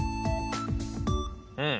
うん。